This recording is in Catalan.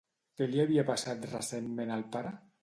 Què li havia passat recentment al pare?